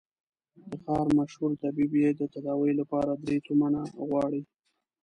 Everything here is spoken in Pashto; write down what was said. د ښار مشهور طبيب يې د تداوي له پاره درې تومنه غواړي.